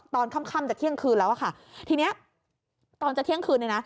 ตอนค่ำจะเที่ยงคืนแล้วค่ะทีนี้ตอนจะเที่ยงคืนเลยนะ